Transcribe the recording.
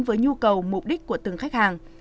với nhu cầu mục đích của từng khách hàng